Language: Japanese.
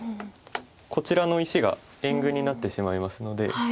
こちらの石が援軍になってしまいますので。